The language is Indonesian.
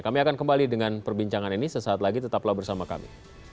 kami akan kembali dengan perbincangan ini sesaat lagi tetaplah bersama kami